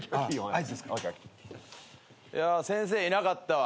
いや先生いなかったわ。